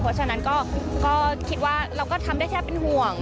เพราะฉะนั้นก็คิดว่าเราก็ทำได้แค่เป็นห่วง